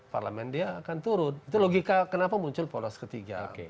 parlemen dia akan turun itu logika kenapa muncul poros ketiga